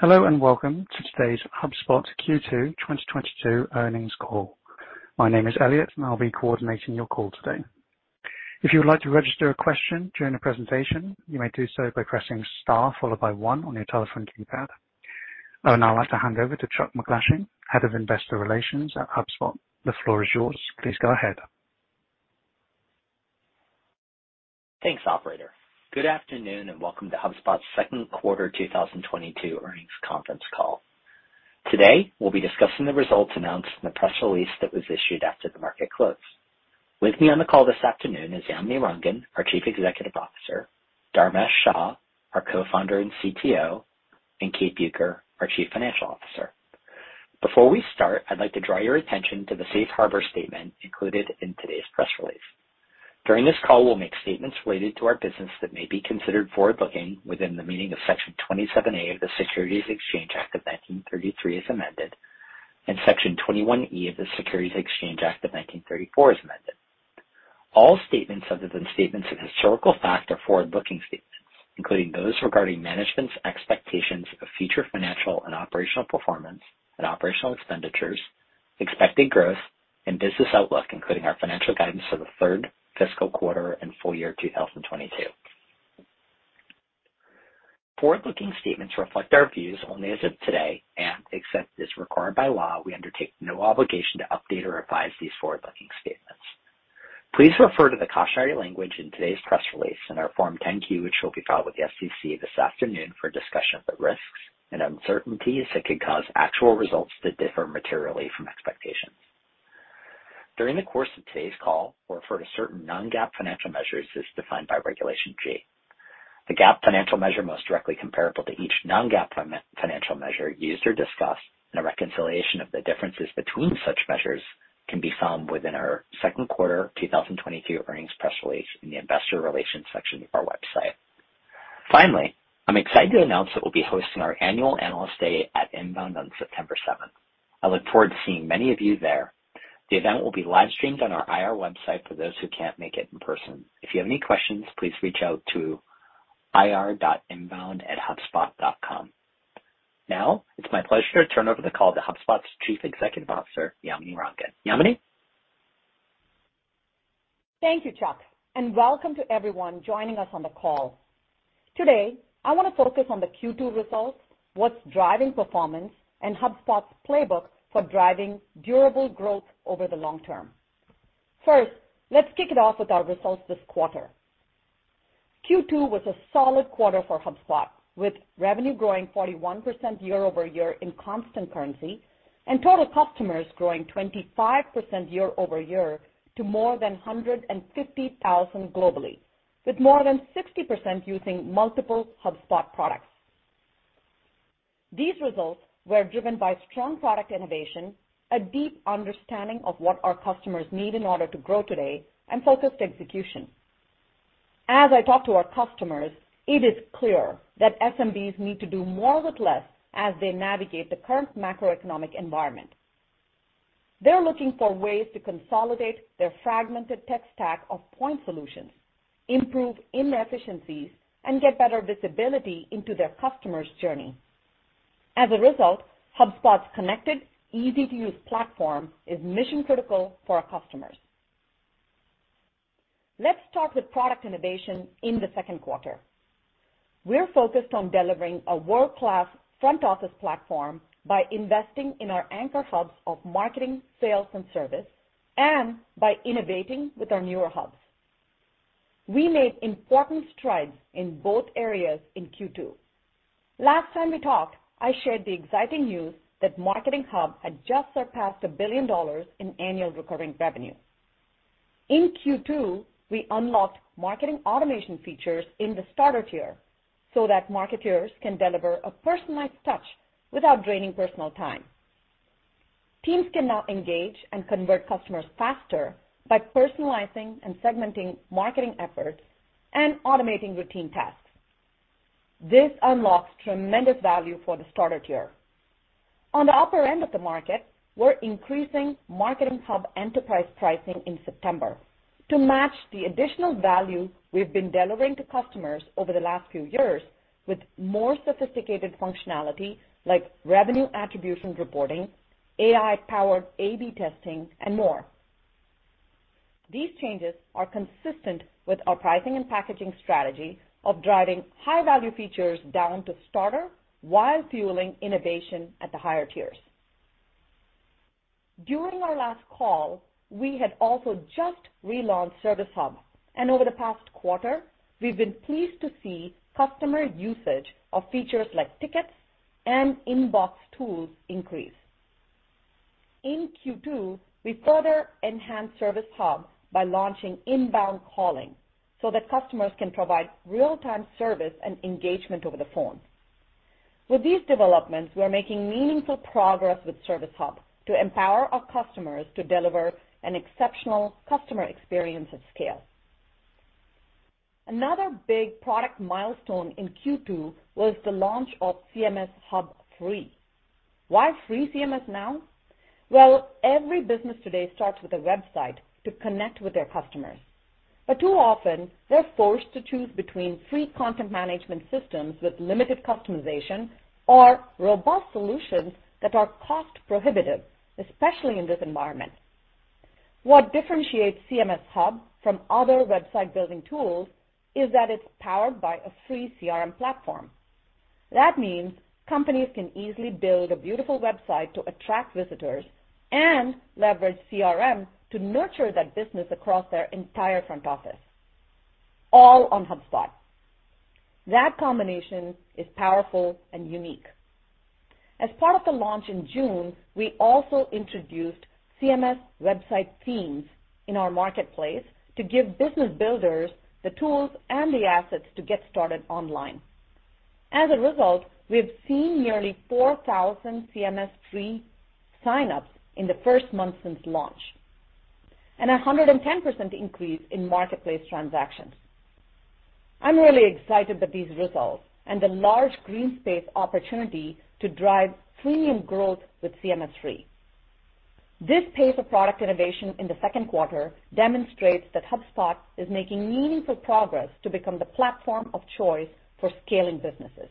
Hello and welcome to today's HubSpot Q2 2022 Earnings Call. My name is Elliot, and I'll be coordinating your call today. If you would like to register a question during the presentation, you may do so by pressing star followed by one on your telephone keypad. I would now like to hand over to Chuck MacGlashing, Head of Investor Relations at HubSpot. The floor is yours. Please go ahead. Thanks, operator. Good afternoon, and welcome to HubSpot's second quarter 2022 earnings conference call. Today, we'll be discussing the results announced in the press release that was issued after the market close. With me on the call this afternoon is Yamini Rangan, our Chief Executive Officer, Dharmesh Shah, our Co-founder and CTO, and Kate Bueker, our Chief Financial Officer. Before we start, I'd like to draw your attention to the Safe Harbor statement included in today's press release. During this call, we'll make statements related to our business that may be considered forward-looking within the meaning of Section 27A of the Securities Exchange Act of 1933 as amended, and Section 21E of the Securities Exchange Act of 1934 as amended. All statements other than statements of historical fact are forward-looking statements, including those regarding management's expectations of future financial and operational performance and operational expenditures, expected growth and business outlook, including our financial guidance for the third fiscal quarter and full year 2022. Forward-looking statements reflect our views only as of today, and except as required by law, we undertake no obligation to update or revise these forward-looking statements. Please refer to the cautionary language in today's press release and our Form 10-Q, which will be filed with the SEC this afternoon for a discussion of the risks and uncertainties that could cause actual results to differ materially from expectations. During the course of today's call, we'll refer to certain non-GAAP financial measures as defined by Regulation G. The GAAP financial measure most directly comparable to each non-GAAP financial measure used or discussed, and a reconciliation of the differences between such measures can be found within our second quarter 2022 earnings press release in the investor relations section of our website. Finally, I'm excited to announce that we'll be hosting our annual Analyst Day at INBOUND on September seventh. I look forward to seeing many of you there. The event will be live-streamed on our IR website for those who can't make it in person. If you have any questions, please reach out to ir.inbound@hubspot.com. Now, it's my pleasure to turn over the call to HubSpot's Chief Executive Officer, Yamini Rangan. Yamini? Thank you, Chuck, and welcome to everyone joining us on the call. Today, I wanna focus on the Q2 results, what's driving performance, and HubSpot's playbook for driving durable growth over the long term. First, let's kick it off with our results this quarter. Q2 was a solid quarter for HubSpot, with revenue growing 41% year-over-year in constant currency, and total customers growing 25% year-over-year to more than 150,000 globally, with more than 60% using multiple HubSpot products. These results were driven by strong product innovation, a deep understanding of what our customers need in order to grow today, and focused execution. As I talk to our customers, it is clear that SMBs need to do more with less as they navigate the current macroeconomic environment. They're looking for ways to consolidate their fragmented tech stack of point solutions, improve inefficiencies, and get better visibility into their customers' journey. As a result, HubSpot's connected, easy-to-use platform is mission-critical for our customers. Let's start with product innovation in the second quarter. We're focused on delivering a world-class front office platform by investing in our anchor hubs of marketing, sales, and service, and by innovating with our newer hubs. We made important strides in both areas in Q2. Last time we talked, I shared the exciting news that Marketing Hub had just surpassed $1 billion in annual recurring revenue. In Q2, we unlocked marketing automation features in the starter tier so that marketeers can deliver a personalized touch without draining personal time. Teams can now engage and convert customers faster by personalizing and segmenting marketing efforts and automating routine tasks. This unlocks tremendous value for the starter tier. On the upper end of the market, we're increasing Marketing Hub Enterprise pricing in September to match the additional value we've been delivering to customers over the last few years with more sophisticated functionality like revenue attribution reporting, AI-powered A/B testing, and more. These changes are consistent with our pricing and packaging strategy of driving high-value features down to starter while fueling innovation at the higher tiers. During our last call, we had also just relaunched Service Hub, and over the past quarter, we've been pleased to see customer usage of features like tickets and inbox tools increase. In Q2, we further enhanced Service Hub by launching inbound calling so that customers can provide real-time service and engagement over the phone. With these developments, we are making meaningful progress with Service Hub to empower our customers to deliver an exceptional customer experience at scale. Another big product milestone in Q2 was the launch of CMS Hub Free. Why free CMS now? Well, every business today starts with a website to connect with their customers. Too often, they're forced to choose between free content management systems with limited customization or robust solutions that are cost prohibitive, especially in this environment. What differentiates CMS Hub from other website-building tools is that it's powered by a free CRM platform. That means companies can easily build a beautiful website to attract visitors and leverage CRM to nurture that business across their entire front office, all on HubSpot. That combination is powerful and unique. As part of the launch in June, we also introduced CMS website themes in our marketplace to give business builders the tools and the assets to get started online. As a result, we have seen nearly 4,000 CMS free sign-ups in the first month since launch, and a 110% increase in marketplace transactions. I'm really excited with these results and the large green space opportunity to drive premium growth with CMS free. This pace of product innovation in the second quarter demonstrates that HubSpot is making meaningful progress to become the platform of choice for scaling businesses.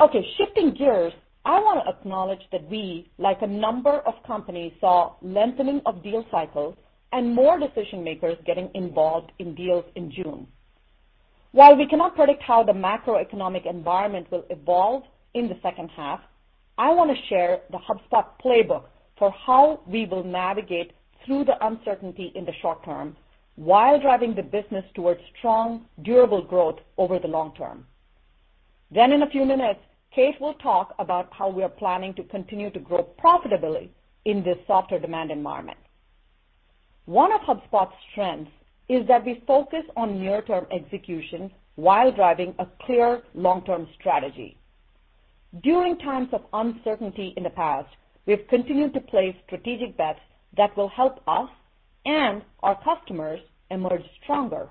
Okay, shifting gears, I wanna acknowledge that we, like a number of companies, saw lengthening of deal cycles and more decision-makers getting involved in deals in June. While we cannot predict how the macroeconomic environment will evolve in the second half, I wanna share the HubSpot playbook for how we will navigate through the uncertainty in the short term while driving the business towards strong, durable growth over the long term. In a few minutes, Kate will talk about how we are planning to continue to grow profitably in this softer demand environment. One of HubSpot's strengths is that we focus on near-term execution while driving a clear long-term strategy. During times of uncertainty in the past, we have continued to place strategic bets that will help us and our customers emerge stronger.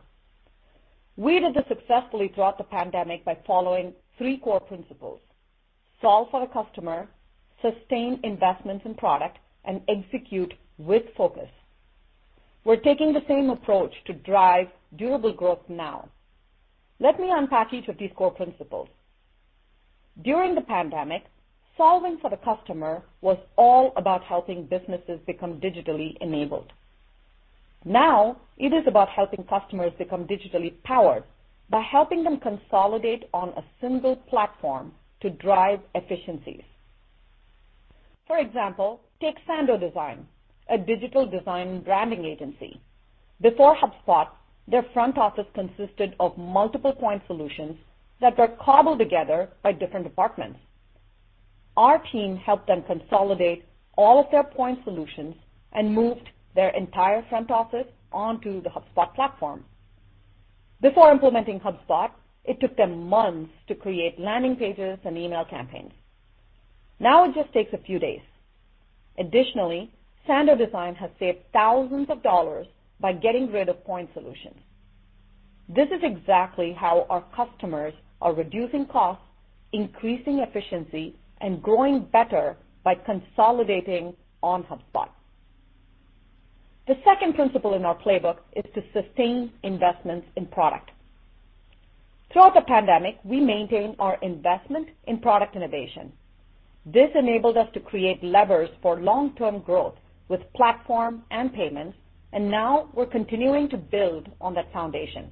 We did this successfully throughout the pandemic by following three core principles, solve for the customer, sustain investments in product, and execute with focus. We're taking the same approach to drive durable growth now. Let me unpack each of these core principles. During the pandemic, solving for the customer was all about helping businesses become digitally enabled. Now, it is about helping customers become digitally powered by helping them consolidate on a single platform to drive efficiencies. For example, take Sando Design, a digital design and branding agency. Before HubSpot, their front office consisted of multiple point solutions that were cobbled together by different departments. Our team helped them consolidate all of their point solutions and moved their entire front office onto the HubSpot platform. Before implementing HubSpot, it took them months to create landing pages and email campaigns. Now it just takes a few days. Additionally, Sando Design has saved thousands of dollars by getting rid of point solutions. This is exactly how our customers are reducing costs, increasing efficiency, and growing better by consolidating on HubSpot. The second principle in our playbook is to sustain investments in product. Throughout the pandemic, we maintained our investment in product innovation. This enabled us to create levers for long-term growth with platform and payments, and now we're continuing to build on that foundation.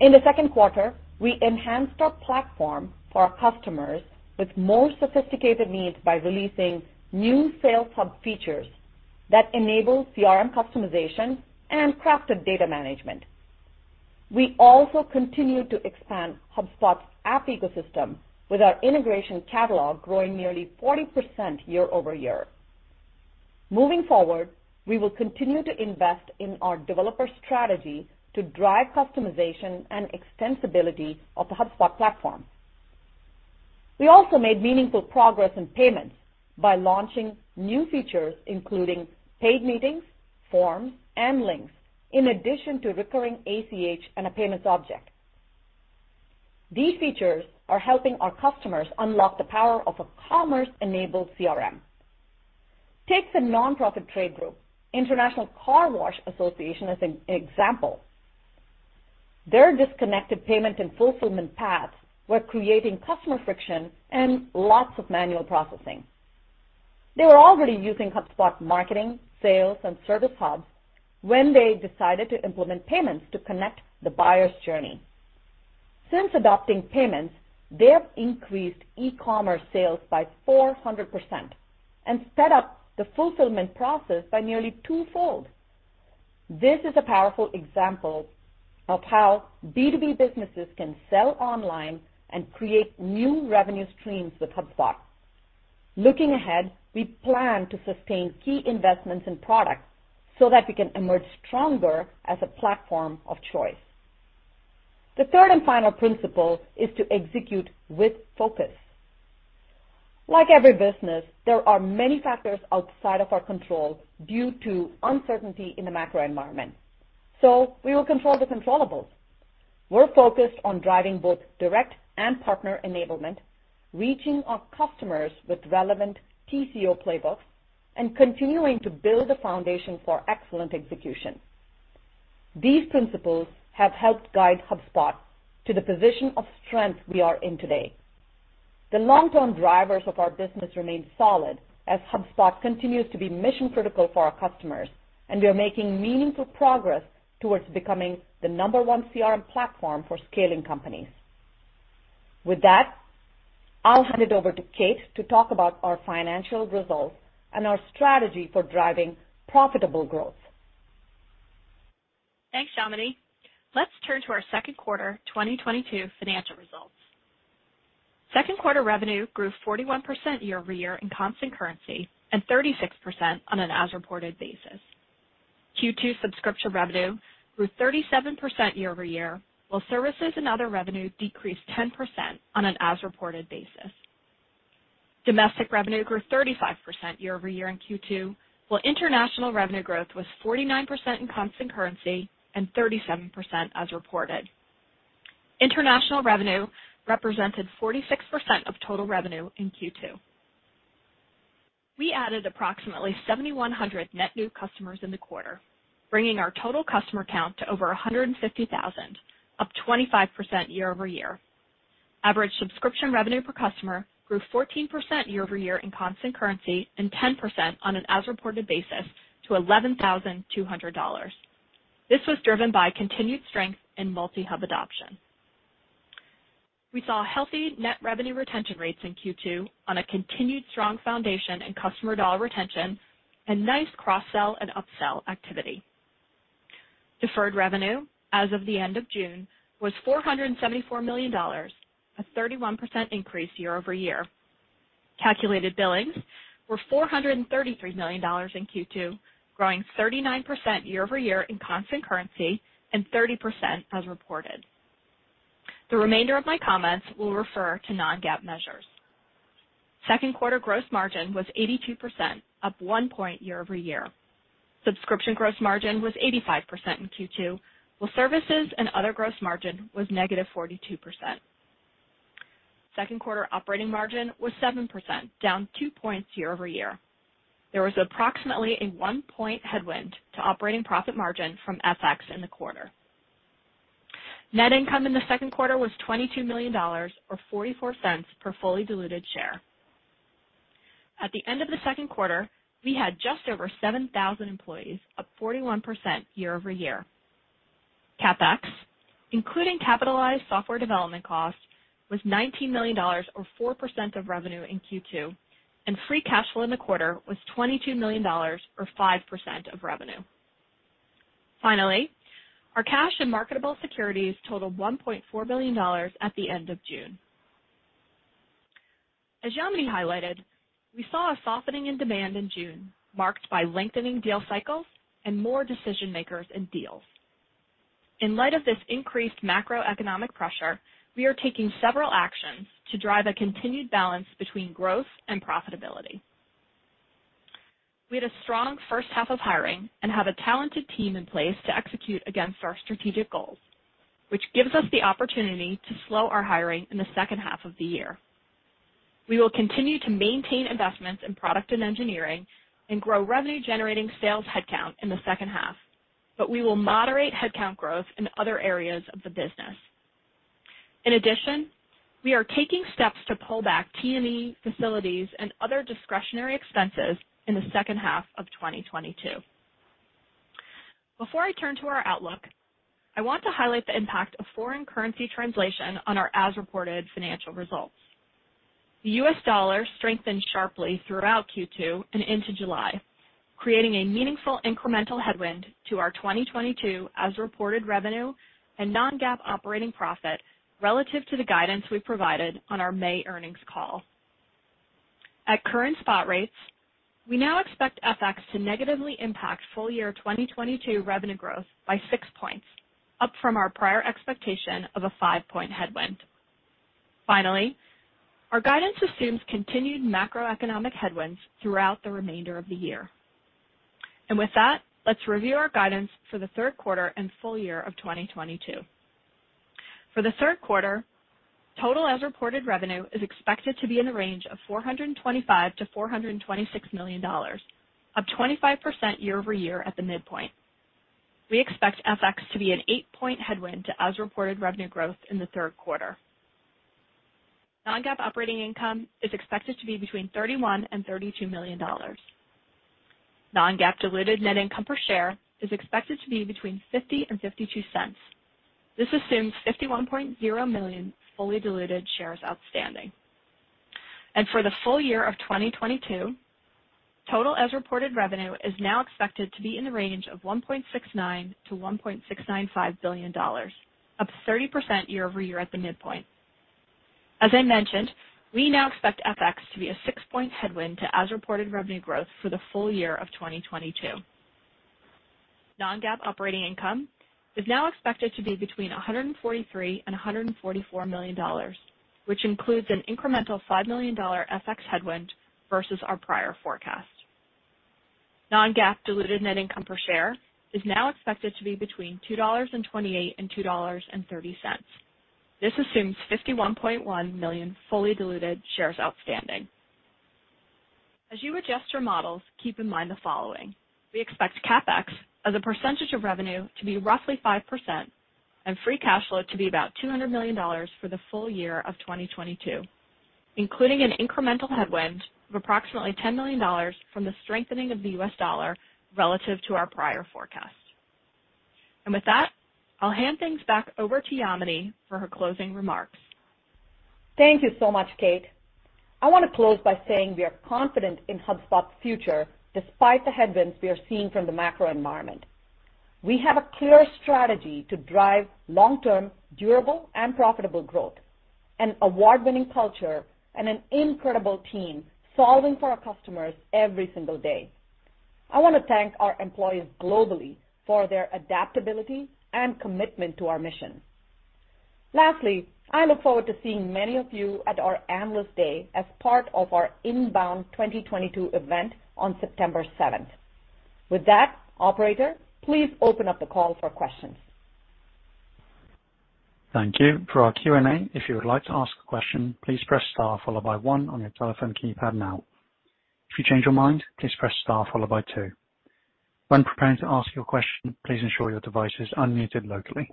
In the second quarter, we enhanced our platform for our customers with more sophisticated needs by releasing new Sales Hub features that enable CRM customization and crafted data management. We also continued to expand HubSpot's app ecosystem with our integration catalog growing nearly 40% year-over-year. Moving forward, we will continue to invest in our developer strategy to drive customization and extensibility of the HubSpot platform. We also made meaningful progress in payments by launching new features, including paid meetings, forms, and links, in addition to recurring ACH and a payments object. These features are helping our customers unlock the power of a commerce-enabled CRM. Take the nonprofit trade group, International Carwash Association, as an example. Their disconnected payment and fulfillment paths were creating customer friction and lots of manual processing. They were already using HubSpot's marketing, sales, and service hubs when they decided to implement payments to connect the buyer's journey. Since adopting payments, they have increased e-commerce sales by 400% and sped up the fulfillment process by nearly twofold. This is a powerful example of how B2B businesses can sell online and create new revenue streams with HubSpot. Looking ahead, we plan to sustain key investments in product so that we can emerge stronger as a platform of choice. The third and final principle is to execute with focus. Like every business, there are many factors outside of our control due to uncertainty in the macro environment. We will control the controllables. We're focused on driving both direct and partner enablement, reaching our customers with relevant TCO playbooks, and continuing to build a foundation for excellent execution. These principles have helped guide HubSpot to the position of strength we are in today. The long-term drivers of our business remain solid as HubSpot continues to be mission-critical for our customers, and we are making meaningful progress towards becoming the number one CRM platform for scaling companies. With that, I'll hand it over to Kate to talk about our financial results and our strategy for driving profitable growth. Thanks, Yamini. Let's turn to our second quarter 2022 financial results. Second quarter revenue grew 41% year-over-year in constant currency, and 36% on an as-reported basis. Q2 subscription revenue grew 37% year-over-year, while services and other revenue decreased 10% on an as-reported basis. Domestic revenue grew 35% year-over-year in Q2, while international revenue growth was 49% in constant currency and 37% as reported. International revenue represented 46% of total revenue in Q2. We added approximately 7,100 net new customers in the quarter, bringing our total customer count to over 150,000, up 25% year-over-year. Average subscription revenue per customer grew 14% year-over-year in constant currency and 10% on an as-reported basis to $11,200. This was driven by continued strength in multi-hub adoption. We saw healthy net revenue retention rates in Q2 on a continued strong foundation in customer dollar retention and nice cross-sell and upsell activity. Deferred revenue as of the end of June was $474 million, a 31% increase year-over-year. Calculated billings were $433 million in Q2, growing 39% year-over-year in constant currency and 30% as reported. The remainder of my comments will refer to non-GAAP measures. Second quarter gross margin was 82%, up 1 point year-over-year. Subscription gross margin was 85% in Q2, while services and other gross margin was -42%. Second quarter operating margin was 7%, down 2 points year-over-year. There was approximately a 1-point headwind to operating profit margin from FX in the quarter. Net income in the second quarter was $22 million or $0.44 per fully diluted share. At the end of the second quarter, we had just over 7,000 employees, up 41% year-over-year. CapEx, including capitalized software development costs, was $19 million or 4% of revenue in Q2, and free cash flow in the quarter was $22 million or 5% of revenue. Finally, our cash and marketable securities totaled $1.4 billion at the end of June. As Yamini highlighted, we saw a softening in demand in June, marked by lengthening deal cycles and more decision-makers in deals. In light of this increased macroeconomic pressure, we are taking several actions to drive a continued balance between growth and profitability. We had a strong first half of hiring and have a talented team in place to execute against our strategic goals, which gives us the opportunity to slow our hiring in the second half of the year. We will continue to maintain investments in product and engineering and grow revenue-generating sales headcount in the second half, but we will moderate headcount growth in other areas of the business. In addition, we are taking steps to pull back T&E, facilities, and other discretionary expenses in the second half of 2022. Before I turn to our outlook, I want to highlight the impact of foreign currency translation on our as-reported financial results. The U.S. dollar strengthened sharply throughout Q2 and into July, creating a meaningful incremental headwind to our 2022 as-reported revenue and non-GAAP operating profit relative to the guidance we provided on our May earnings call. At current spot rates, we now expect FX to negatively impact full year 2022 revenue growth by 6 points, up from our prior expectation of a 5-point headwind. Finally, our guidance assumes continued macroeconomic headwinds throughout the remainder of the year. With that, let's review our guidance for the third quarter and full year of 2022. For the third quarter, total as-reported revenue is expected to be in the range of $425 million-$426 million, up 25% year-over-year at the midpoint. We expect FX to be an 8-point headwind to as-reported revenue growth in the third quarter. Non-GAAP operating income is expected to be between $31 million and $32 million. Non-GAAP diluted net income per share is expected to be between $0.50 and $0.52. This assumes 51.0 million fully diluted shares outstanding. For the full year of 2022, total as-reported revenue is now expected to be in the range of $1.69-$1.695 billion, up 30% year-over-year at the midpoint. As I mentioned, we now expect FX to be a 6-point headwind to as-reported revenue growth for the full year of 2022. Non-GAAP operating income is now expected to be between $143-$144 million, which includes an incremental $5 million FX headwind versus our prior forecast. Non-GAAP diluted net income per share is now expected to be between $2.28 and $2.30. This assumes 51.1 million fully diluted shares outstanding. As you adjust your models, keep in mind the following. We expect CapEx as a percentage of revenue to be roughly 5% and free cash flow to be about $200 million for the full year of 2022, including an incremental headwind of approximately $10 million from the strengthening of the U.S. dollar relative to our prior forecast. With that, I'll hand things back over to Yamini for her closing remarks. Thank you so much, Kate. I want to close by saying we are confident in HubSpot's future despite the headwinds we are seeing from the macro environment. We have a clear strategy to drive long-term durable and profitable growth, an award-winning culture, and an incredible team solving for our customers every single day. I want to thank our employees globally for their adaptability and commitment to our mission. Lastly, I look forward to seeing many of you at our Analyst Day as part of our INBOUND 2022 event on September seventh. With that, operator, please open up the call for questions. Thank you. For our Q&A, if you would like to ask a question, please press star followed by one on your telephone keypad now. If you change your mind, please press star followed by two. When preparing to ask your question, please ensure your device is unmuted locally.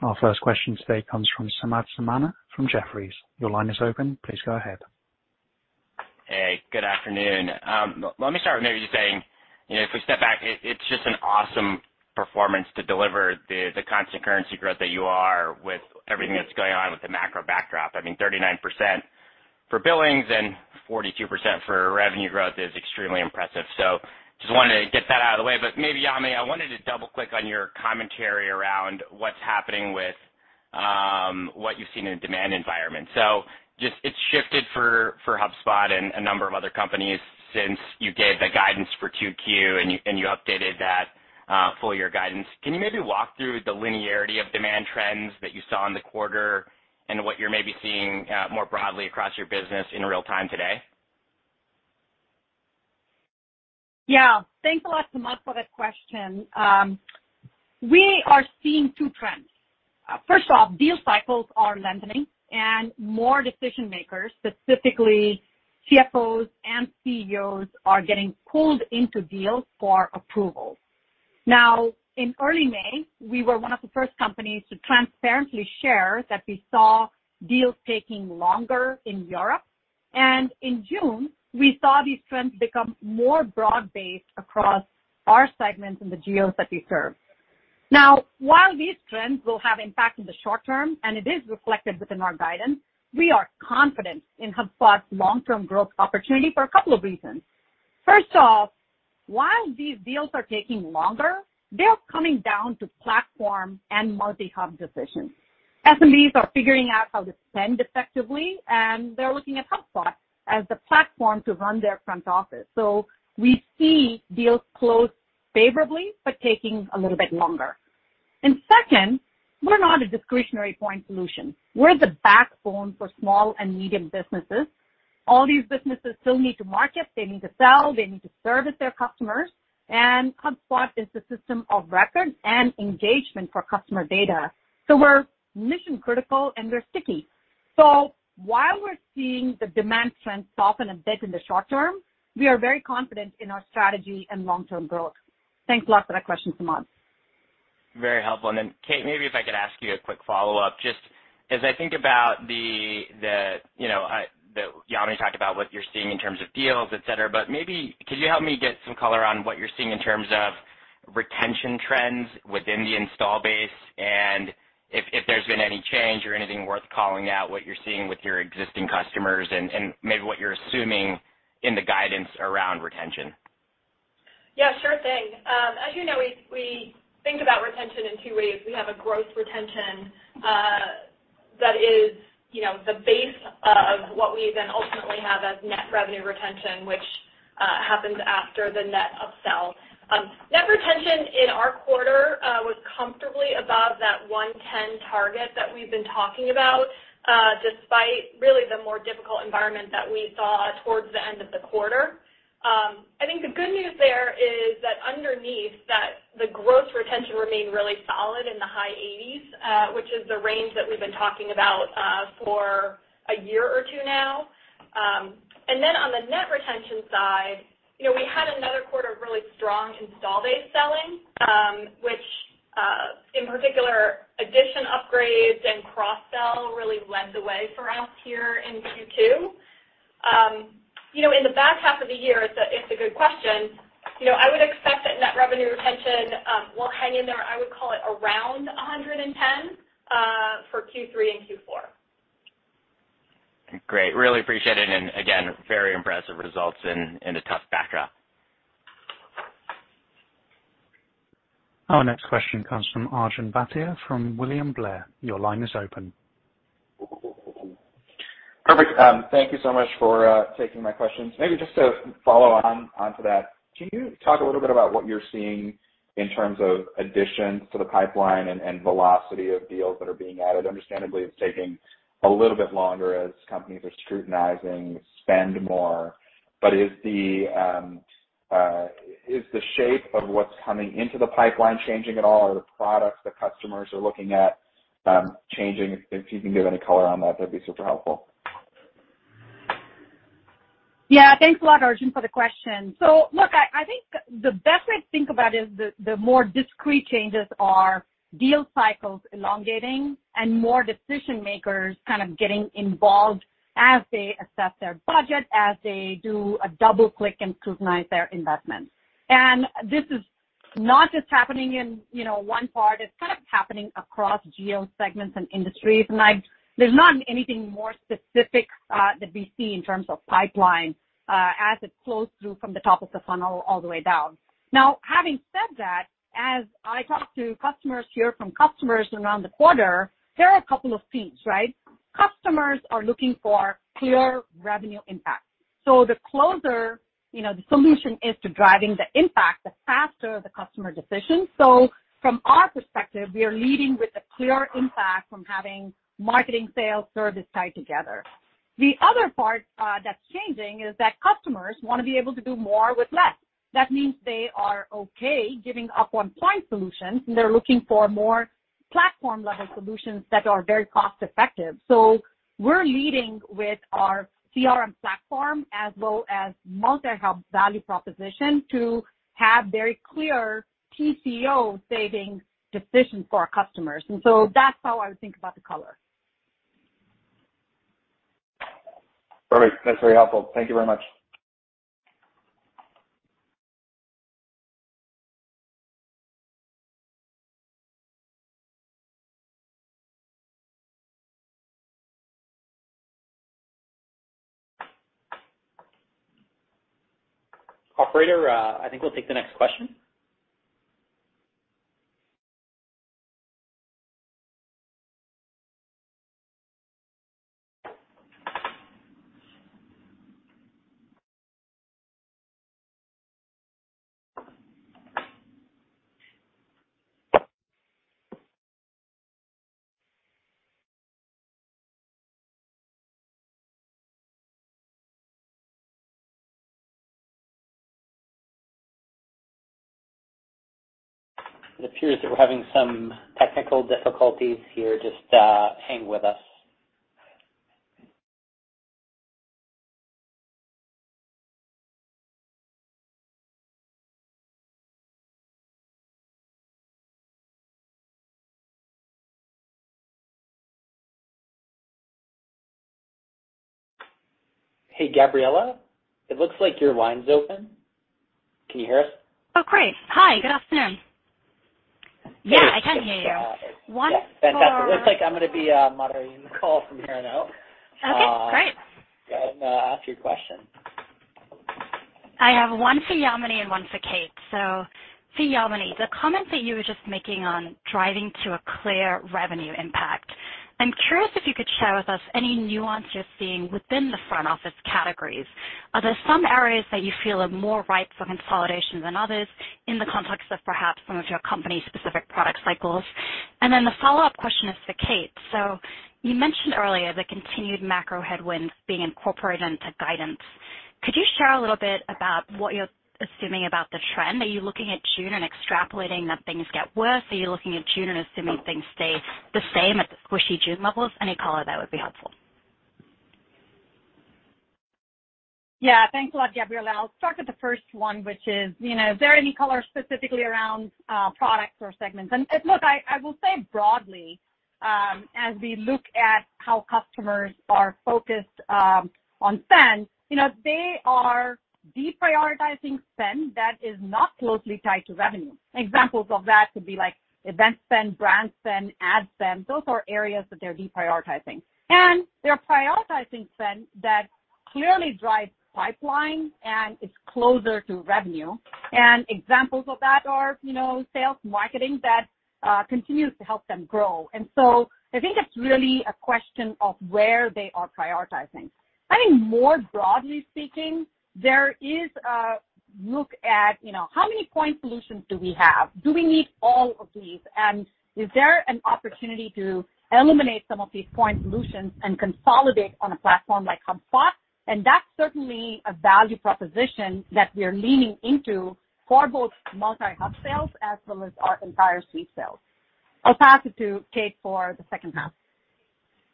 Our first question today comes from Samad Samana from Jefferies. Your line is open. Please go ahead. Hey, good afternoon. Let me start with maybe just saying, you know, if we step back, it's just an awesome performance to deliver the constant currency growth that you are with everything that's going on with the macro backdrop. I mean, 39% for billings and 42% for revenue growth is extremely impressive. Just wanted to get that out of the way. Maybe, Yamini, I wanted to double-click on your commentary around what's happening with what you've seen in the demand environment. Just it's shifted for HubSpot and a number of other companies since you gave the guidance for Q2 and you updated that full year guidance. Can you maybe walk through the linearity of demand trends that you saw in the quarter and what you're maybe seeing more broadly across your business in real time today? Yeah. Thanks a lot, Samad, for that question. We are seeing two trends. First off, deal cycles are lengthening and more decision-makers, specifically CFOs and CEOs, are getting pulled into deals for approval. Now, in early May, we were one of the first companies to transparently share that we saw deals taking longer in Europe. In June, we saw these trends become more broad-based across our segments in the geos that we serve. Now, while these trends will have impact in the short term, and it is reflected within our guidance, we are confident in HubSpot's long-term growth opportunity for a couple of reasons. First off, while these deals are taking longer, they're coming down to platform and multi-hub decisions. SMBs are figuring out how to spend effectively, and they're looking at HubSpot as the platform to run their front office. We see deals close favorably, but taking a little bit longer. Second, we're not a discretionary point solution. We're the backbone for small and medium businesses. All these businesses still need to market. They need to sell. They need to service their customers. HubSpot is the system of record and engagement for customer data. We're mission-critical, and we're sticky. While we're seeing the demand trend soften a bit in the short term, we are very confident in our strategy and long-term growth. Thanks a lot for that question, Samad. Very helpful. Kate, maybe if I could ask you a quick follow-up, just as I think about, you know, Yamini talked about what you're seeing in terms of deals, et cetera. Maybe could you help me get some color on what you're seeing in terms of retention trends within the installed base and if there's been any change or anything worth calling out what you're seeing with your existing customers and maybe what you're assuming in the guidance around retention? Yeah, sure thing. As you know, we think about retention in two ways. We have a gross retention that is, you know, the base of what we then ultimately have as net revenue retention, which happens after the net upsell. Net retention in our quarter was comfortably above that 110 target that we've been talking about, despite really the more difficult environment that we saw towards the end of the quarter. I think the good news there is that underneath that, the gross retention remained really solid in the high 80s, which is the range that we've been talking about for a year or two now. on the net retention side, you know, we had another quarter of really strong add-on-based selling, which, in particular, add-on upgrades and cross-sell really led the way for us here in Q2. you know, in the back half of the year, it's a good question. You know, I would expect that net revenue retention will hang in there. I would call it around 110 for Q3 and Q4. Great. Really appreciate it. Again, very impressive results in a tough backdrop. Our next question comes from Arjun Bhatia from William Blair. Your line is open. Perfect. Thank you so much for taking my questions. Maybe just to follow on to that, can you talk a little bit about what you're seeing in terms of additions to the pipeline and velocity of deals that are being added? Understandably, it's taking a little bit longer as companies are scrutinizing spend more. Is the shape of what's coming into the pipeline changing at all? Are the products that customers are looking at changing? If you can give any color on that'd be super helpful. Yeah. Thanks a lot, Arjun, for the question. Look, I think the best way to think about is the more discrete changes are deal cycles elongating and more decision-makers kind of getting involved as they assess their budget, as they do a double-click and scrutinize their investments. This is not just happening in, you know, one part. It's kind of happening across geo segments and industries. There's not anything more specific that we see in terms of pipeline as it flows through from the top of the funnel all the way down. Now, having said that, as I talk to customers, hear from customers around the quarter, there are a couple of themes, right? Customers are looking for clear revenue impact. The closer, you know, the solution is to driving the impact, the faster the customer decision. From our perspective, we are leading with a clear impact from having marketing, sales, service tied together. The other part that's changing is that customers wanna be able to do more with less. That means they are okay giving up on point solutions, and they're looking for more platform-level solutions that are very cost-effective. We're leading with our CRM platform as well as multi-hub value proposition to have very clear TCO savings decisions for our customers. That's how I would think about the color. Perfect. That's very helpful. Thank you very much. Operator, I think we'll take the next question. It appears that we're having some technical difficulties here. Just, hang with us. Hey, Gabriela, it looks like your line's open. Can you hear us? Oh, great. Hi. Good afternoon. Yeah, I can hear you. Yeah. Fantastic. Looks like I'm gonna be moderating the call from here on out. Okay, great. Ask your question. I have one for Yamini and one for Kate. For Yamini, the comment that you were just making on driving to a clear revenue impact, I'm curious if you could share with us any nuance you're seeing within the front office categories. Are there some areas that you feel are more ripe for consolidation than others in the context of perhaps some of your company-specific product cycles? The follow-up question is for Kate. You mentioned earlier the continued macro headwinds being incorporated into guidance. Could you share a little bit about what you're assuming about the trend? Are you looking at June and extrapolating that things get worse? Are you looking at June and assuming things stay the same at the squishy June levels? Any color there would be helpful. Yeah. Thanks a lot, Gabriela. I'll start with the first one, which is, you know, is there any color specifically around products or segments? Look, I will say broadly, as we look at how customers are focused on spend, you know, they are deprioritizing spend that is not closely tied to revenue. Examples of that could be like event spend, brand spend, ad spend. Those are areas that they're deprioritizing. They're prioritizing spend that clearly drives pipeline and is closer to revenue. Examples of that are, you know, sales and marketing that continues to help them grow. I think it's really a question of where they are prioritizing. I think more broadly speaking, there is a look at, you know, how many point solutions do we have? Do we need all of these? Is there an opportunity to eliminate some of these point solutions and consolidate on a platform like HubSpot? That's certainly a value proposition that we're leaning into for both multi-hub sales as well as our entire suite sales. I'll pass it to Kate for the second half.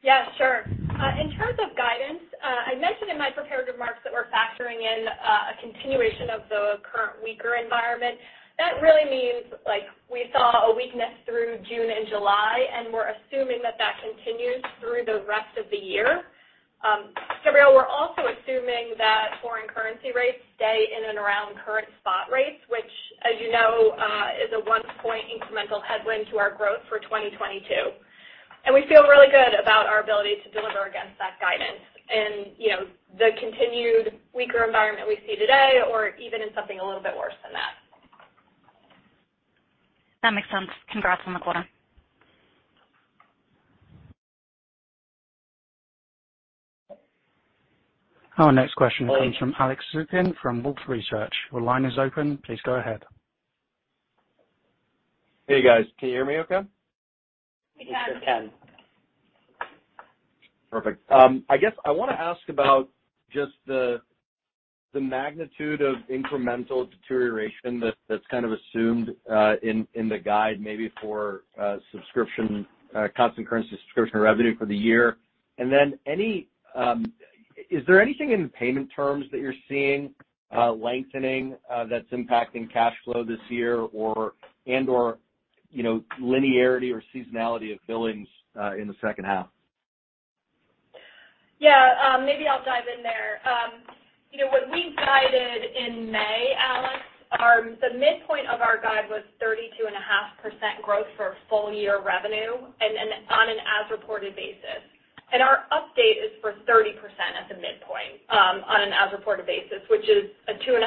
Yeah, sure. In terms of guidance, I mentioned in my prepared remarks that we're factoring in a continuation of the current weaker environment. That really means, like, we saw a weakness through June and July, and we're assuming that that continues through the rest of the year. Gabriela, we're also assuming that foreign currency rates stay in and around current spot rates, which, as you know, is a 1-point incremental headwind to our growth for 2022. We feel really good about our ability to deliver against that guidance and, you know, the continued weaker environment we see today or even in something a little bit worse than that. That makes sense. Congrats on the quarter. Our next question comes from Alex Zukin from Wolfe Research. Your line is open. Please go ahead. Hey, guys. Can you hear me okay? We can. We can. Perfect. I guess I wanna ask about just the magnitude of incremental deterioration that's kind of assumed in the guide maybe for subscription constant currency subscription revenue for the year? Then is there anything in payment terms that you're seeing lengthening that's impacting cash flow this year or and/or, you know, linearity or seasonality of billings in the second half? Yeah, maybe I'll dive in there. You know, when we guided in May, Alex, the midpoint of our guide was 32.5% growth for full year revenue and on an as reported basis. Our update is for 30% as a midpoint, on an as reported basis, which is a 2.5%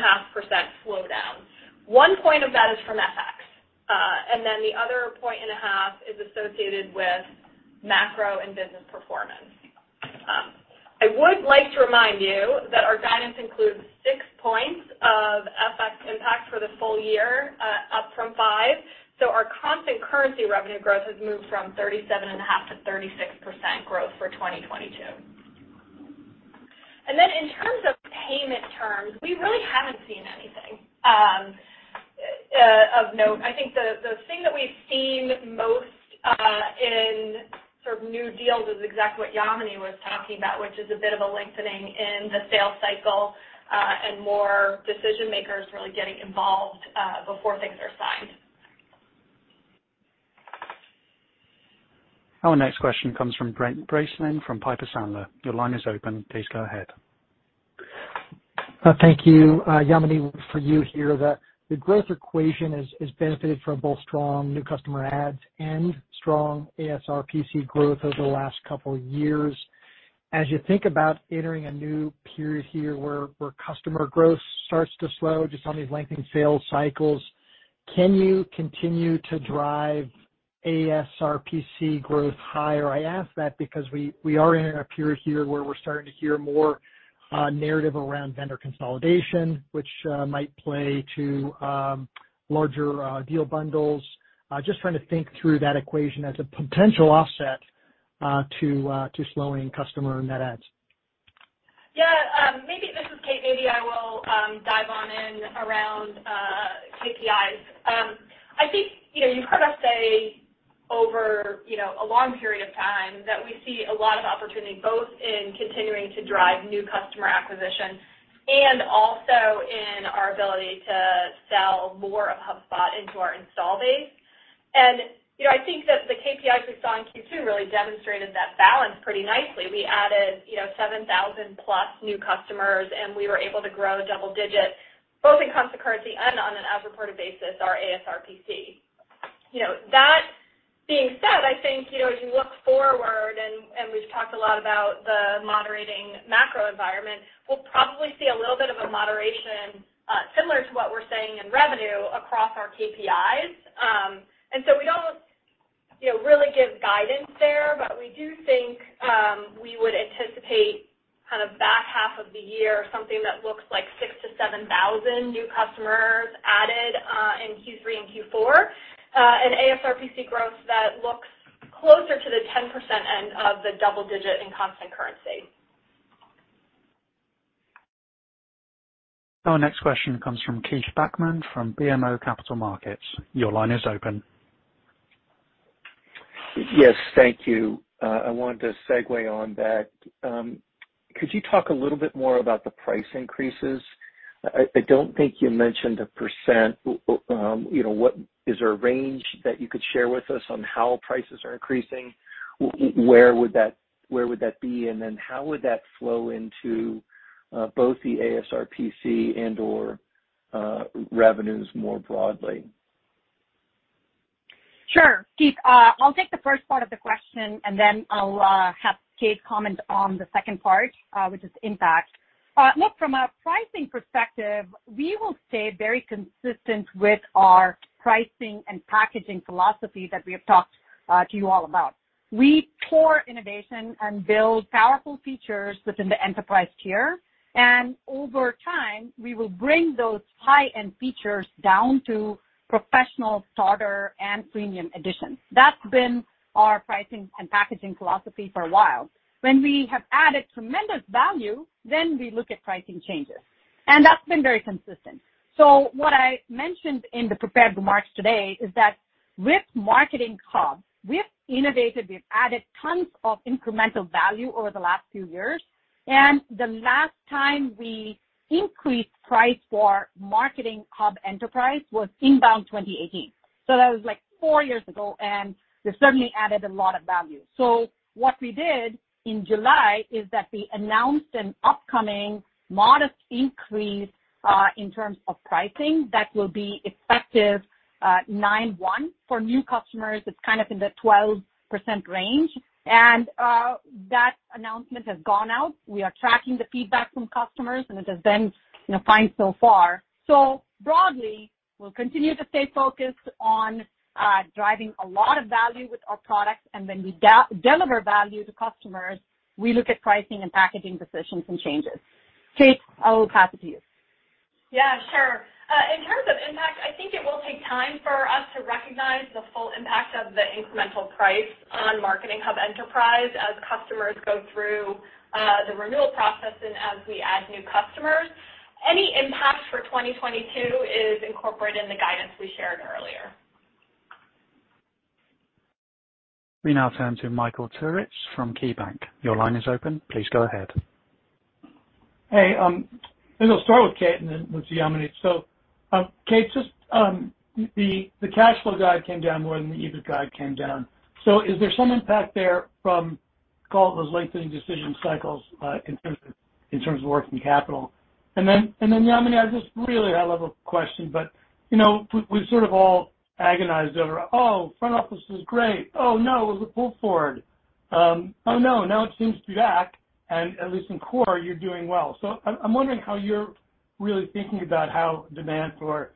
slowdown. One point of that is from FX, and then the other point and a half is associated with macro and business performance. I would like to remind you that our guidance includes six points of FX impact for the full year, up from five. Our constant currency revenue growth has moved from 37.5% to 36% growth for 2022. In terms of payment terms, we really haven't seen anything of note. I think the thing that we've seen most in sort of new deals is exactly what Yamini was talking about, which is a bit of a lengthening in the sales cycle and more decision-makers really getting involved before things are signed. Our next question comes from Brent Bracelin from Piper Sandler. Your line is open. Please go ahead. Thank you, Yamini, for being here. The growth equation has benefited from both strong new customer adds and strong ASRPC growth over the last couple years. As you think about entering a new period here where customer growth starts to slow just on these lengthening sales cycles, can you continue to drive ASRPC growth higher? I ask that because we are in a period here where we're starting to hear more narrative around vendor consolidation, which might play to larger deal bundles. Just trying to think through that equation as a potential offset to slowing customer net adds. Yeah, maybe. This is Kate. Maybe I will dive in around KPIs. I think, you know, you've heard us say over, you know, a long period of time that we see a lot of opportunity both in continuing to drive new customer acquisition and also in our ability to sell more of HubSpot into our install base. I think that the KPIs we saw in Q2 really demonstrated that balance pretty nicely. We added, you know, 7,000+ new customers, and we were able to grow double digits both in constant currency and on an as reported basis, our ASRPC. You know, that being said, I think, you know, as you look forward, and we've talked a lot about the moderating macro environment, we'll probably see a little bit of a moderation, similar to what we're seeing in revenue across our KPIs. We don't, you know, really give guidance there, but we do think, we would anticipate kind of back half of the year something that looks like 6,000-7,000 new customers added, in Q3 and Q4, and ASRPC growth that looks closer to the 10% end of the double digit in constant currency. Our next question comes from Keith Bachman from BMO Capital Markets. Your line is open. Yes, thank you. I wanted to segue on that. Could you talk a little bit more about the price increases? I don't think you mentioned a percent. You know, is there a range that you could share with us on how prices are increasing? Where would that be? And then how would that flow into both the ASRPC and/or revenues more broadly? Sure. Keith, I'll take the first part of the question, and then I'll have Kate comment on the second part, which is impact. Look, from a pricing perspective, we will stay very consistent with our pricing and packaging philosophy that we have talked to you all about. We pour innovation and build powerful features within the enterprise tier, and over time, we will bring those high-end features down to professional starter and premium editions. That's been our pricing and packaging philosophy for a while. When we have added tremendous value, then we look at pricing changes, and that's been very consistent. What I mentioned in the prepared remarks today is that with Marketing Hub, we've innovated, we've added tons of incremental value over the last few years, and the last time we increased price for Marketing Hub Enterprise was INBOUND 2018. That was, like, four years ago, and we certainly added a lot of value. What we did in July is that we announced an upcoming modest increase in terms of pricing that will be effective 9/1. For new customers, it's kind of in the 12% range. That announcement has gone out. We are tracking the feedback from customers, and it has been, you know, fine so far. Broadly, we'll continue to stay focused on driving a lot of value with our products. When we do deliver value to customers, we look at pricing and packaging decisions and changes. Kate, I will pass it to you. Yeah, sure. In terms of impact, I think it will take time for us to recognize the full impact of the incremental price on Marketing Hub Enterprise as customers go through the renewal process and as we add new customers. Any impact for 2022 is incorporated in the guidance we shared earlier. We now turn to Michael Turits from KeyBank. Your line is open. Please go ahead. Hey, I think I'll start with Kate and then with Yamini. Kate, just, the cash flow guide came down more than the EBIT guide came down. Is there some impact there from, call it, those lengthening decision cycles, in terms of working capital? Yamini, just really high level question, but, you know, we sort of all agonized over, "Oh, front office was great. Oh, no, it was a pull forward. Oh, no, now it seems to be back," and at least in core, you're doing well. I'm wondering how you're really thinking about how demand for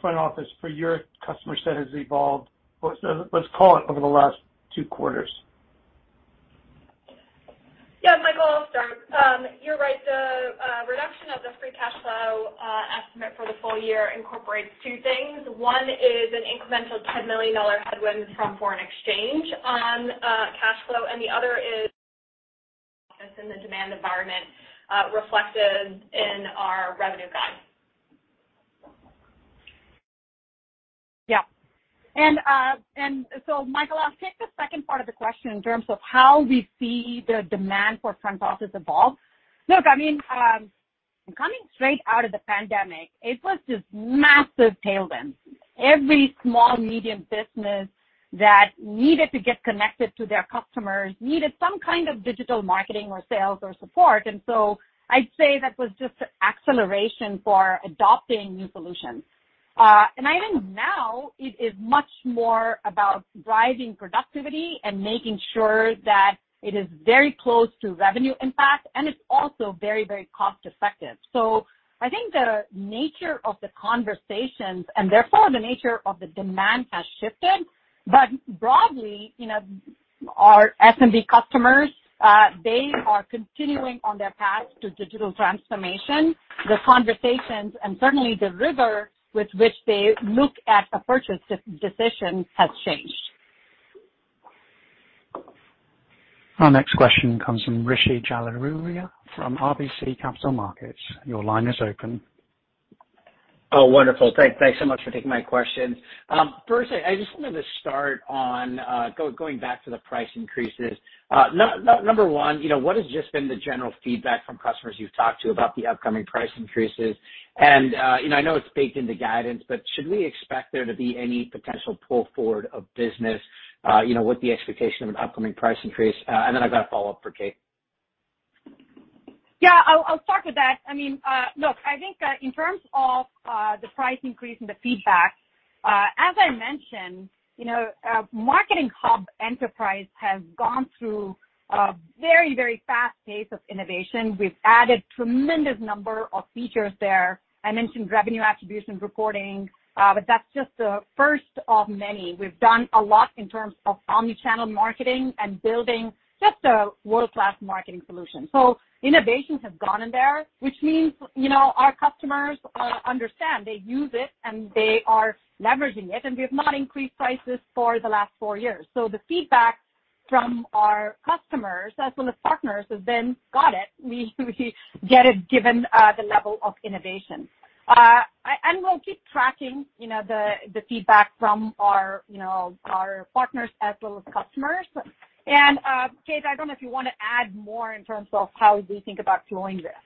front office for your customer set has evolved, or let's call it, over the last two quarters. Yeah, Michael, I'll start. You're right. The reduction of the free cash flow estimate for the full year incorporates two things. One is an incremental $10 million headwind from foreign exchange on cash flow, and the other is as in the demand environment reflected in our revenue guide. Michael, I'll take the second part of the question in terms of how we see the demand for front office evolve. Look, I mean, coming straight out of the pandemic, it was just massive tailwind. Every small, medium business that needed to get connected to their customers needed some kind of digital marketing or sales or support. I'd say that was just acceleration for adopting new solutions. I think now it is much more about driving productivity and making sure that it is very close to revenue impact, and it's also very, very cost effective. I think the nature of the conversations, and therefore the nature of the demand has shifted. Broadly, you know, our SMB customers, they are continuing on their path to digital transformation. The conversations and certainly the rigor with which they look at a purchase decision has changed. Our next question comes from Rishi Jaluria from RBC Capital Markets. Your line is open. Oh, wonderful. Thanks so much for taking my question. First, I just wanted to start on going back to the price increases. Number one, you know, what has just been the general feedback from customers you've talked to about the upcoming price increases? You know, I know it's baked into guidance, but should we expect there to be any potential pull forward of business, you know, with the expectation of an upcoming price increase? Then I've got a follow-up for Kate. Yeah. I'll start with that. I mean, look, I think, in terms of the price increase and the feedback, as I mentioned, you know, Marketing Hub Enterprise has gone through a very, very fast pace of innovation. We've added tremendous number of features there. I mentioned revenue attribution reporting, but that's just the first of many. We've done a lot in terms of omni-channel marketing and building just a world-class marketing solution. Innovations have gone in there, which means, you know, our customers understand. They use it, and they are leveraging it, and we have not increased prices for the last four years. The feedback from our customers as well as partners has been, "Got it. We get it given the level of innovation. We'll keep tracking, you know, the feedback from our, you know, our partners as well as customers. Kate, I don't know if you wanna add more in terms of how we think about flowing this.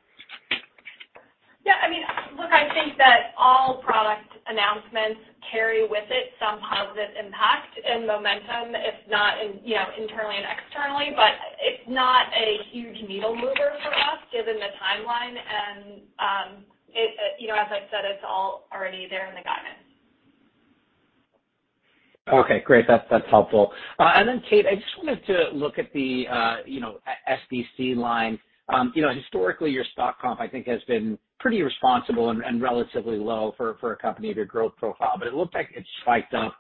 Yeah, I mean, look, I think that all product announcements carry with it some positive impact and momentum, if not in, you know, internally and externally, but it's not a huge needle mover for us given the timeline. You know, as I've said, it's all already there in the guidance. Okay, great. That's helpful. Kate, I just wanted to look at the, you know, SBC line. You know, historically your stock comp, I think, has been pretty responsible and relatively low for a company of your growth profile, but it looked like it spiked up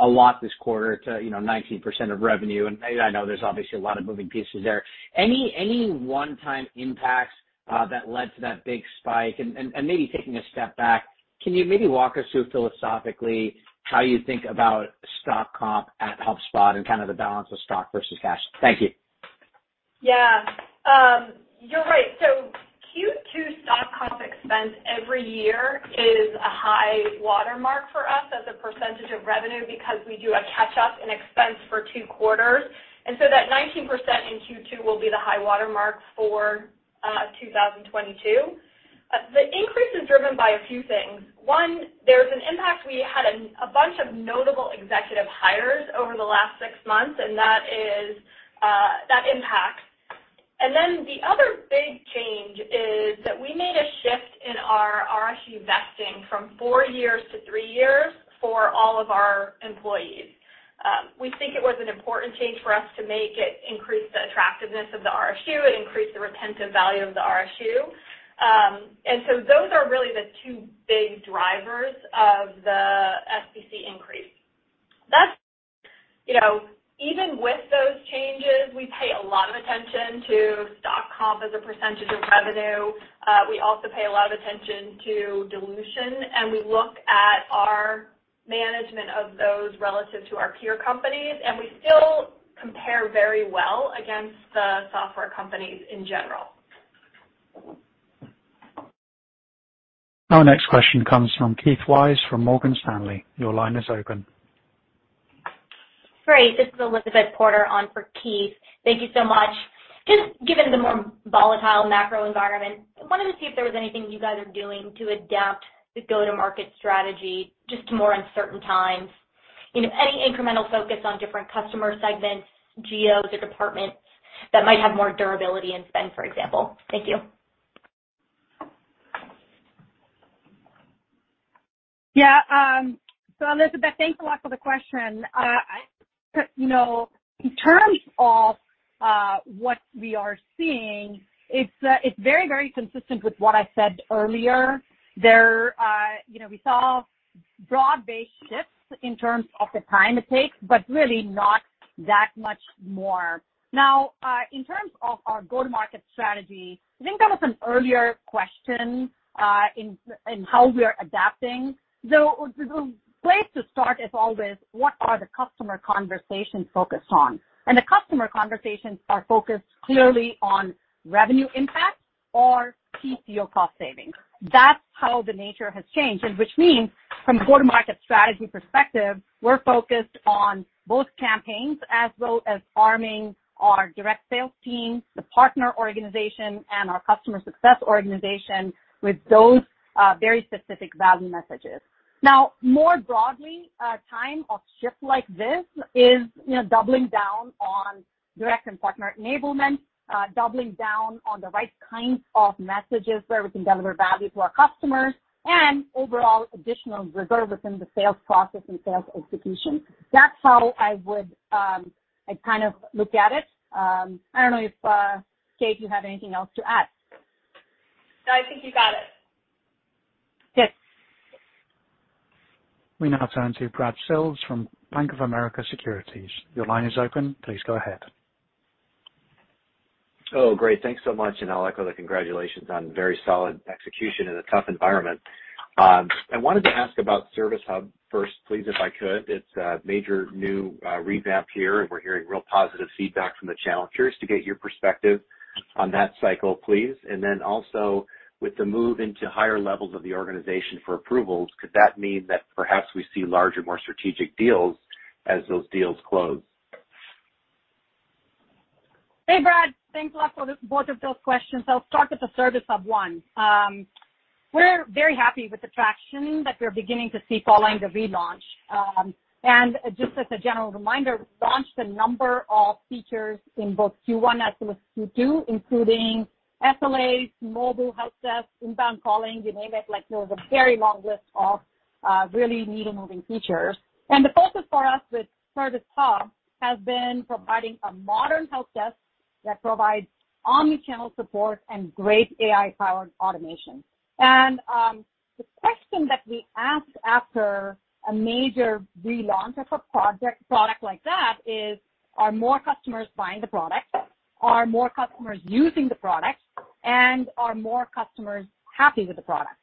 a lot this quarter to 19% of revenue. I know there's obviously a lot of moving pieces there. Any one-time impacts that led to that big spike? Maybe taking a step back, can you walk us through philosophically how you think about stock comp at HubSpot and kind of the balance of stock versus cash? Thank you. Yeah. You're right. Q2 stock comp expense every year is a high watermark for us as a percentage of revenue because we do a catch-up in expense for two quarters. That 19% in Q2 will be the high watermark for 2022. The increase is driven by a few things. One, there's an impact. We had a bunch of notable executive hires over the last six months, and that impacts. The other big change is that we made a shift in our RSU vesting from four years to three years for all of our employees. We think it was an important change for us to make. It increased the attractiveness of the RSU. It increased the retentive value of the RSU. Those are really the two big drivers of the SBC increase. That's, you know, even with those changes, we pay a lot of attention to stock comp as a percentage of revenue. We also pay a lot of attention to dilution, and we look at our management of those relative to our peer companies, and we still compare very well against the software companies in general. Our next question comes from Keith Weiss from Morgan Stanley. Your line is open. Great. This is Elizabeth Porter on for Keith. Thank you so much. Just given the more volatile macro environment, I wanted to see if there was anything you guys are doing to adapt the go-to-market strategy just to more uncertain times. You know, any incremental focus on different customer segments, geos or departments that might have more durability in spend, for example. Thank you. Yeah. So Elizabeth, thanks a lot for the question. You know, in terms of what we are seeing, it's very, very consistent with what I said earlier. There are, you know, we saw broad-based shifts in terms of the time it takes, but really not that much more. Now, in terms of our go-to-market strategy, I think that was an earlier question, in how we are adapting. The place to start is always what are the customer conversations focused on? The customer conversations are focused clearly on revenue impact or TCO cost savings. That's how the nature has changed, which means from a go-to-market strategy perspective, we're focused on both campaigns as well as arming our direct sales team, the partner organization, and our customer success organization with those very specific value messages. Now, more broadly, a time of shift like this is, you know, doubling down on direct and partner enablement, doubling down on the right kinds of messages where we can deliver value to our customers and overall additional rigor within the sales process and sales execution. That's how I would, I kind of look at it. I don't know if, Kate, you have anything else to add. No, I think you got it. Yes. We now turn to Brad Sills from Bank of America Securities. Your line is open. Please go ahead. Oh, great. Thanks so much, and I'll echo the congratulations on very solid execution in a tough environment. I wanted to ask about Service Hub first, please, if I could. It's a major new revamp here, and we're hearing real positive feedback from the challengers. To get your perspective on that cycle, please. And then also, with the move into higher levels of the organization for approvals, could that mean that perhaps we see larger, more strategic deals as those deals close? Hey, Brad. Thanks a lot for both of those questions. I'll start with the Service Hub 1. We're very happy with the traction that we're beginning to see following the relaunch. Just as a general reminder, we've launched a number of features in both Q1 as well as Q2, including SLAs, mobile help desk, inbound calling, you name it. Like, there was a very long list of really needle-moving features. The focus for us with Service Hub has been providing a modern help desk that provides omni-channel support and great AI-powered automation. The question that we ask after a major relaunch of a project, product like that is, are more customers buying the product? Are more customers using the product? Are more customers happy with the product?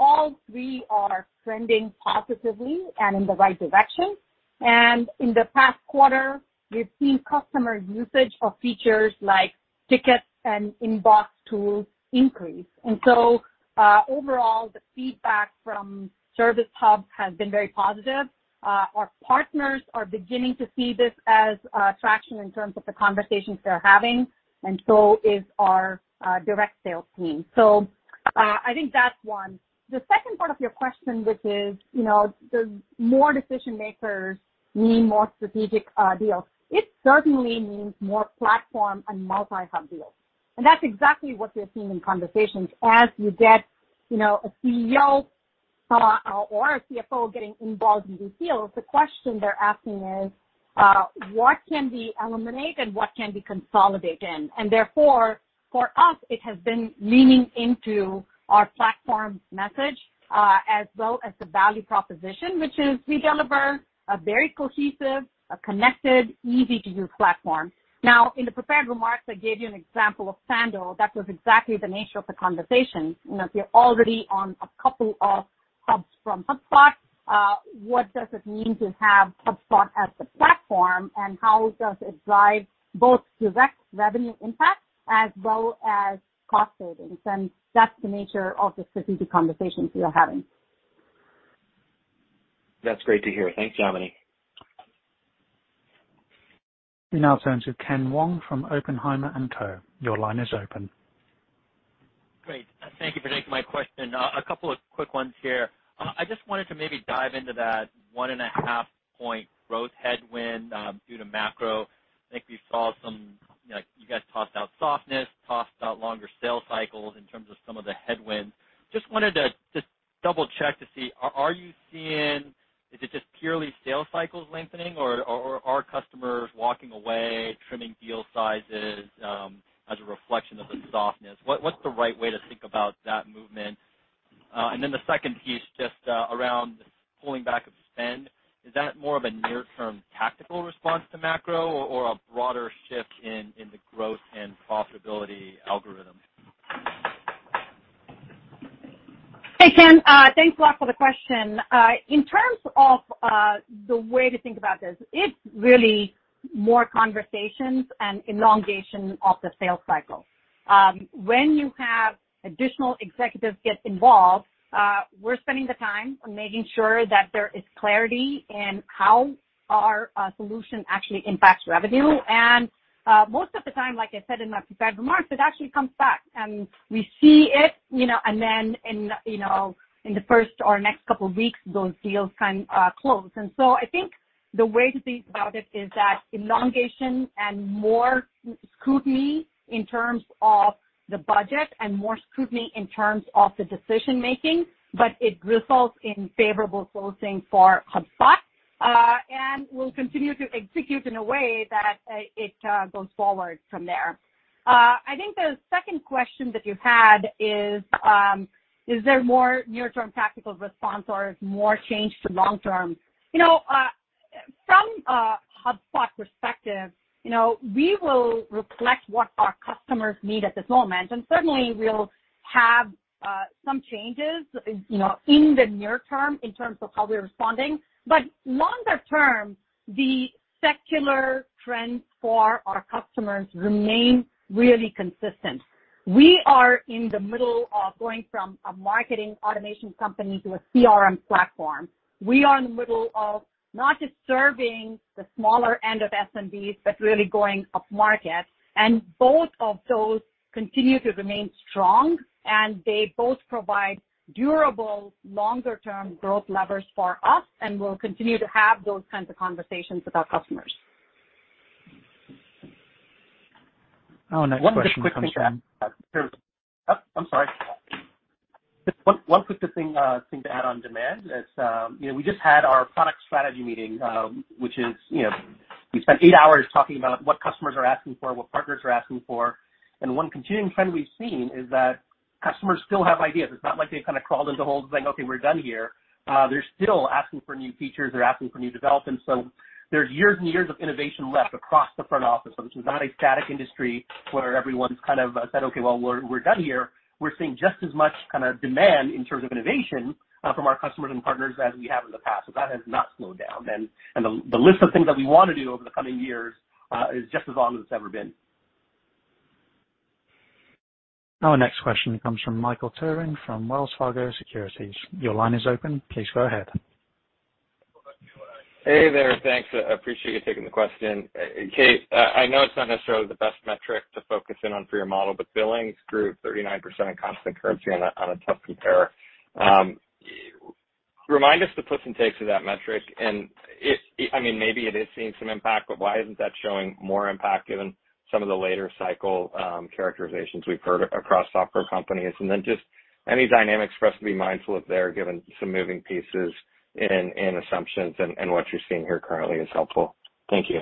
All three are trending positively and in the right direction. In the past quarter, we've seen customer usage of features like tickets and inbox tools increase. Overall, the feedback from Service Hub has been very positive. Our partners are beginning to see this as traction in terms of the conversations they're having, and so is our direct sales team. I think that's one. The second part of your question, which is, you know, does more decision-makers mean more strategic deals? It certainly means more platform and multi-hub deals. That's exactly what we're seeing in conversations. As you get, you know, a CEO or a CFO getting involved in these deals, the question they're asking is, what can be eliminated and what can be consolidated? Therefore, for us, it has been leaning into our platform's message, as well as the value proposition, which is we deliver a very cohesive, a connected, easy-to-use platform. Now, in the prepared remarks, I gave you an example of Sando. That was exactly the nature of the conversation. You know, if you're already on a couple of hubs from HubSpot, what does it mean to have HubSpot as the platform, and how does it drive both direct revenue impact as well as cost savings? That's the nature of the strategic conversations we are having. That's great to hear. Thanks, Yamini. We now turn to Ken Wong from Oppenheimer & Co. Your line is open. Great. Thank you for taking my question. A couple of quick ones here. I just wanted to maybe dive into that 1.5-point growth headwind due to macro. I think we saw some, like you guys tossed out softness, tossed out longer sales cycles in terms of some of the headwinds. Just wanted to double check to see, are you seeing? Is it just purely sales cycles lengthening, or are customers walking away trimming deal sizes as a reflection of the softness? What's the right way to think about that movement? The second piece around pulling back of spend, is that more of a near-term tactical response to macro or a broader shift in the growth and profitability algorithm? Hey, Ken. Thanks a lot for the question. In terms of the way to think about this, it's really more conversations and elongation of the sales cycle. When you have additional executives get involved, we're spending the time on making sure that there is clarity in how our solution actually impacts revenue. Most of the time, like I said in my prepared remarks, it actually comes back and we see it, you know, and then in, you know, in the first or next couple weeks, those deals can close. I think the way to think about it is that elongation and more scrutiny in terms of the budget and more scrutiny in terms of the decision making, but it results in favorable closing for HubSpot, and we'll continue to execute in a way that it goes forward from there. I think the second question that you had is there more near term tactical response or is more change to long term? You know, from a HubSpot perspective, you know, we will reflect what our customers need at this moment, and certainly we'll have some changes, you know, in the near term in terms of how we're responding. Longer term, the secular trends for our customers remain really consistent. We are in the middle of going from a marketing automation company to a CRM platform. We are in the middle of not just serving the smaller end of SMBs, but really going upmarket. Both of those continue to remain strong and they both provide durable, longer term growth levers for us, and we'll continue to have those kinds of conversations with our customers. Our next question comes from. I'm sorry. Just one quick thing to add on demand is, you know, we just had our product strategy meeting, which is, you know, we spent eight hours talking about what customers are asking for, what partners are asking for. One continuing trend we've seen is that customers still have ideas. It's not like they've kind of crawled into holes like, "Okay, we're done here." They're still asking for new features, they're asking for new developments. There's years and years of innovation left across the front office. This is not a static industry where everyone's kind of said, "Okay, well, we're done here." We're seeing just as much kind of demand in terms of innovation from our customers and partners as we have in the past. That has not slowed down. The list of things that we wanna do over the coming years is just as long as it's ever been. Our next question comes from Michael Turrin from Wells Fargo Securities. Your line is open. Please go ahead. Hey there. Thanks. I appreciate you taking the question. Kate, I know it's not necessarily the best metric to focus in on for your model, but billings grew 39% in constant currency on a tough compare. Remind us the plus and takes of that metric. I mean, maybe it is seeing some impact, but why isn't that showing more impact given some of the later cycle characterizations we've heard across software companies? Then just any dynamics for us to be mindful of there given some moving pieces in assumptions and what you're seeing here currently is helpful. Thank you.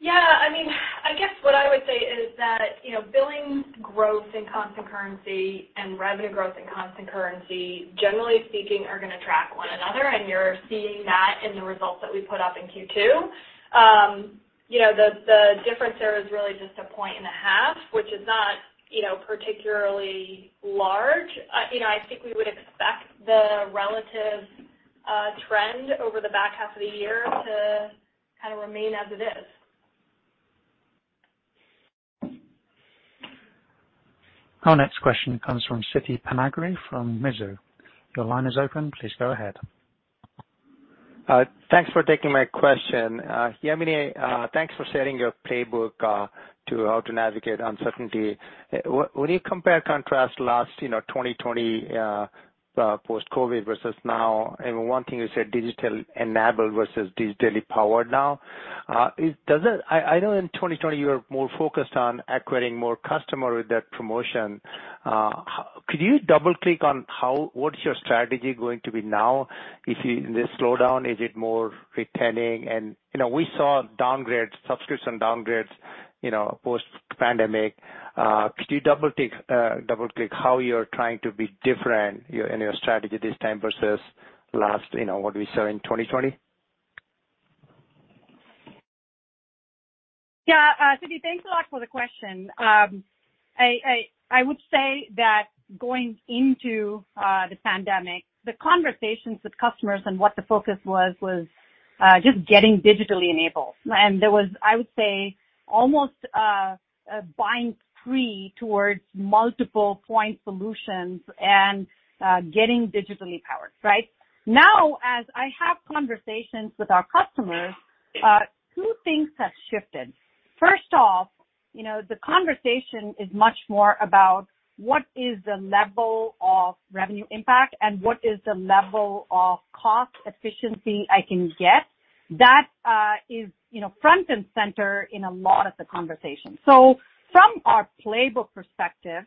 Yeah, I mean, I guess what I would say is that, you know, billings growth in constant currency and revenue growth in constant currency, generally speaking are gonna track one another, and you're seeing that in the results that we put up in Q2. You know, the difference there is really just 1.5 points, which is not, you know, particularly large. You know, I think we would expect the relative trend over the back half of the year to kind of remain as it is. Our next question comes from Siti Panigrahi from Mizuho. Your line is open. Please go ahead. Thanks for taking my question. Yamini, thanks for sharing your playbook to how to navigate uncertainty. When you compare contrast last, you know, 2020, post-COVID versus now, one thing you said digital enabled versus digitally powered now, does it. I know in 2020 you were more focused on acquiring more customer with that promotion. Could you double click on how what's your strategy going to be now if you this slowdown, is it more retaining? You know, we saw downgrades, subscription downgrades, you know, post-pandemic. Could you double click how you're trying to be different in your strategy this time versus last, you know, what we saw in 2020? Yeah. Siti, thanks a lot for the question. I would say that going into the pandemic, the conversations with customers and what the focus was was just getting digitally enabled. There was, I would say, almost a beeline towards multiple point solutions and getting digitally empowered, right? Now, as I have conversations with our customers, two things have shifted. First off, you know, the conversation is much more about what is the level of revenue impact and what is the level of cost efficiency I can get. That is, you know, front and center in a lot of the conversations. From our playbook perspective,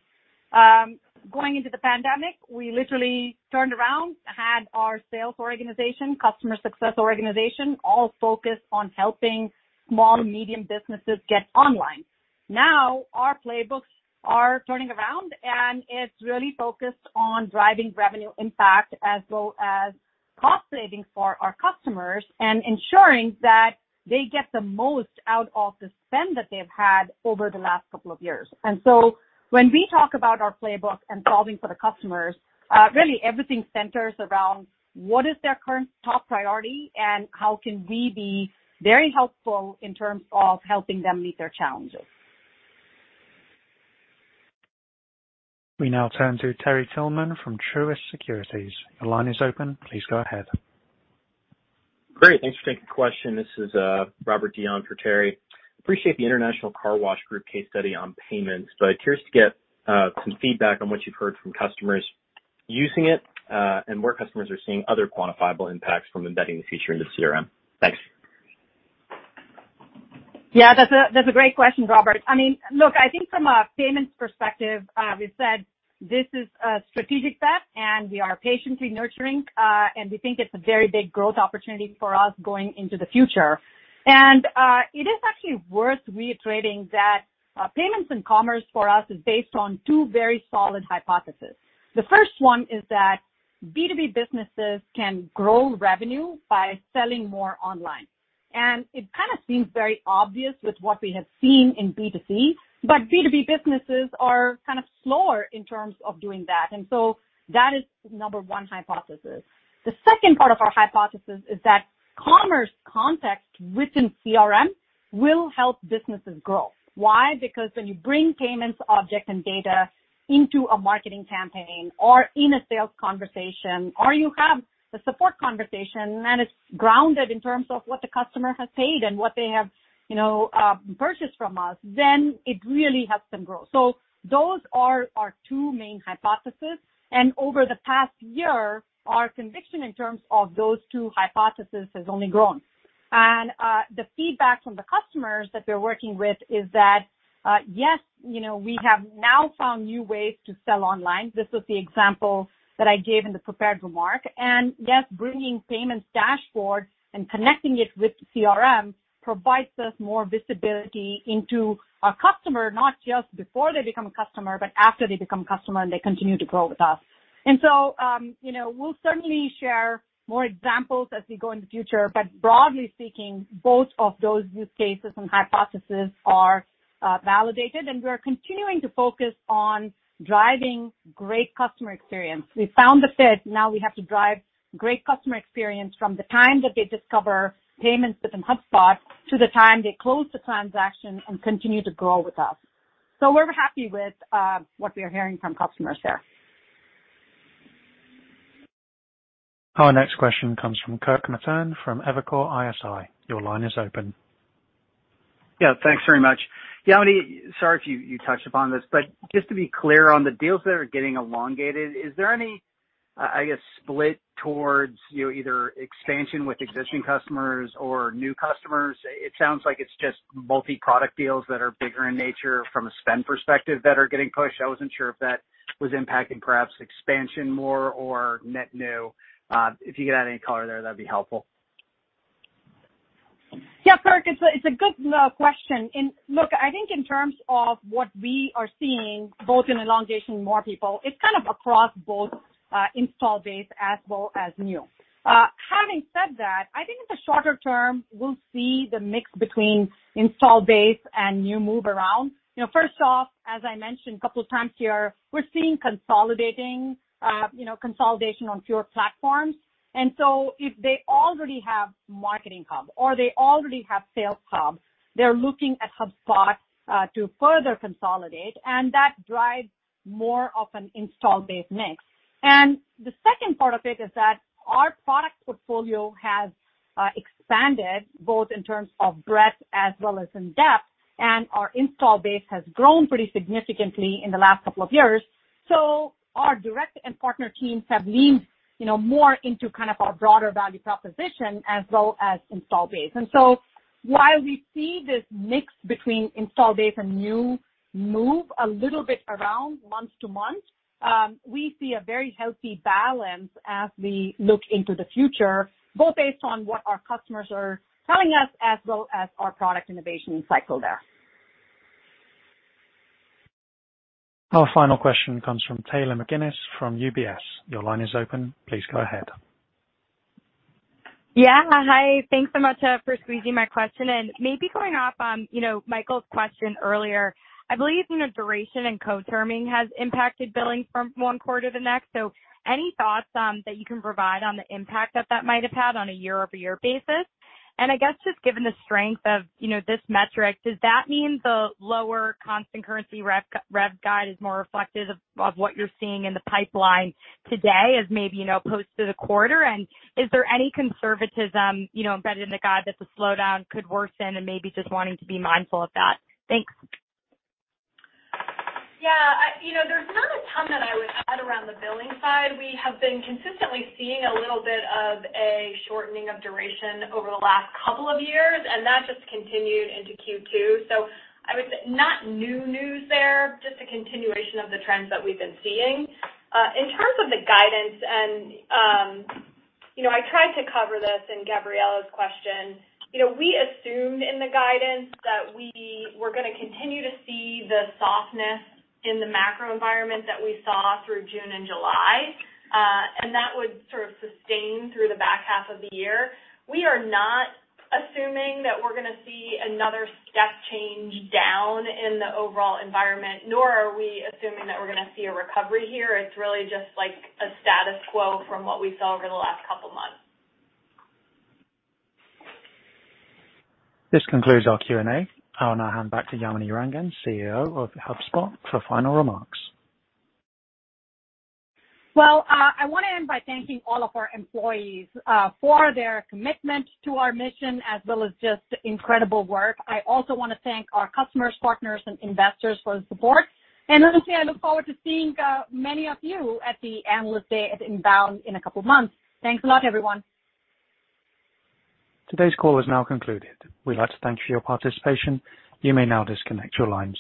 going into the pandemic, we literally turned around, had our sales organization, customer success organization, all focused on helping small and medium businesses get online. Now, our playbooks are turning around, and it's really focused on driving revenue impact as well as cost savings for our customers and ensuring that they get the most out of the spend that they've had over the last couple of years. When we talk about our playbook and solving for the customers, really everything centers around what is their current top priority and how can we be very helpful in terms of helping them meet their challenges. We now turn to Terry Tillman from Truist Securities. Your line is open. Please go ahead. Great. Thanks for taking the question. This is Robert Dee on for Terry. Appreciate the International Carwash Association case study on payments, but curious to get some feedback on what you've heard from customers using it, and where customers are seeing other quantifiable impacts from embedding the feature in the CRM. Thanks. Yeah, that's a great question, Robert. I mean, look, I think from a payments perspective, we've said this is a strategic bet, and we are patiently nurturing, and we think it's a very big growth opportunity for us going into the future. It is actually worth reiterating that payments and commerce for us is based on two very solid hypothesis. The first one is that B2B businesses can grow revenue by selling more online. It kind of seems very obvious with what we have seen in B2C, but B2B businesses are kind of slower in terms of doing that. That is number one hypothesis. The second part of our hypothesis is that commerce context within CRM will help businesses grow. Why? Because when you bring payments object and data into a marketing campaign or in a sales conversation, or you have the support conversation, and it's grounded in terms of what the customer has paid and what they have, you know, purchased from us, then it really helps them grow. Those are our two main hypothesis. Over the past year, our conviction in terms of those two hypothesis has only grown. The feedback from the customers that we're working with is that, yes, you know, we have now found new ways to sell online. This was the example that I gave in the prepared remark. Yes, bringing payments dashboard and connecting it with CRM provides us more visibility into our customer, not just before they become a customer, but after they become a customer, and they continue to grow with us. We'll certainly share more examples as we go in the future, but broadly speaking, both of those use cases and hypothesis are validated, and we are continuing to focus on driving great customer experience. We found the fit. Now we have to drive great customer experience from the time that they discover payments within HubSpot to the time they close the transaction and continue to grow with us. We're happy with what we are hearing from customers there. Our next question comes from Kirk Materne from Evercore ISI. Your line is open. Yeah, thanks very much. Yamini, sorry if you touched upon this, but just to be clear on the deals that are getting elongated, is there any, I guess, split towards, you know, either expansion with existing customers or new customers? It sounds like it's just multi-product deals that are bigger in nature from a spend perspective that are getting pushed. I wasn't sure if that was impacting perhaps expansion more or net new. If you could add any color there, that'd be helpful. Yeah, Kirk, it's a good question. Look, I think in terms of what we are seeing both in elongation and more people, it's kind of across both, install base as well as new. Having said that, I think in the shorter term, we'll see the mix between install base and new move around. You know, first off, as I mentioned a couple of times here, we're seeing consolidation on fewer platforms. If they already have Marketing Hub or they already have Sales Hub, they're looking at HubSpot to further consolidate, and that drives more of an install base mix. The second part of it is that our product portfolio has expanded both in terms of breadth as well as in depth, and our install base has grown pretty significantly in the last couple of years. Our direct and partner teams have leaned, you know, more into kind of our broader value proposition as well as installed base. While we see this mix between installed base and new logo a little bit around month-to-month, we see a very healthy balance as we look into the future, both based on what our customers are telling us as well as our product innovation cycle there. Our final question comes from Taylor McGinnis from UBS. Your line is open. Please go ahead. Yeah. Hi. Thanks so much for squeezing my question in. Maybe going off on, you know, Michael's question earlier. I believe, you know, duration and co-terming has impacted billings from one quarter to the next. So any thoughts that you can provide on the impact that that might have had on a year-over-year basis? And I guess just given the strength of, you know, this metric, does that mean the lower constant currency rev guide is more reflective of what you're seeing in the pipeline today as maybe, you know, post the quarter? And is there any conservatism, you know, embedded in the guide that the slowdown could worsen and maybe just wanting to be mindful of that? Thanks. Yeah. You know, there's not a ton that I would add around the billing side. We have been consistently seeing a little bit of a shortening of duration over the last couple of years, and that just continued into Q2. I would say not new news there, just a continuation of the trends that we've been seeing. In terms of the guidance, and, you know, I tried to cover this in Gabriela's question. You know, we assumed in the guidance that we were gonna continue to see the softness in the macro environment that we saw through June and July, and that would sort of sustain through the back half of the year. We are not assuming that we're gonna see another step change down in the overall environment, nor are we assuming that we're gonna see a recovery here. It's really just like a status quo from what we saw over the last couple of months. This concludes our Q&A. I will now hand back to Yamini Rangan, CEO of HubSpot, for final remarks. Well, I wanna end by thanking all of our employees for their commitment to our mission as well as just incredible work. I also wanna thank our customers, partners, and investors for the support. Honestly, I look forward to seeing many of you at the Analyst Day at INBOUND in a couple of months. Thanks a lot, everyone. Today's call is now concluded. We'd like to thank you for your participation. You may now disconnect your lines.